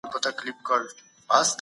هیلې د انسان په زړه کي مړه کیږي.